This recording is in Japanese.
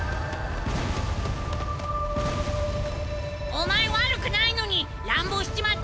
お前悪くないのに乱暴しちまってごめんな！